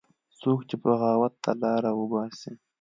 څوک چې بغاوت ته لاره وباسي